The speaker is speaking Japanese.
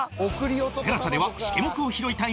ＴＥＬＡＳＡ ではシケモクを拾いたいんじゃ！！